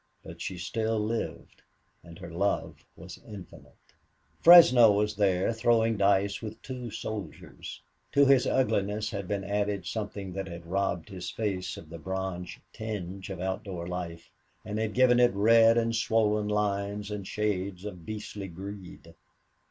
But she still lived, and her love was infinite. Fresno was there, throwing dice with two soldiers. To his ugliness had been added something that had robbed his face of the bronze tinge of outdoor life and had given it red and swollen lines and shades of beastly greed.